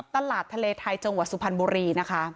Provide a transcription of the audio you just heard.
ตลาดทะเลไทยจังหวัดสุพรรณบุรีนะคะ